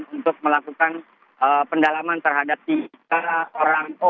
untuk melakukan pendalaman terhadap tiga orang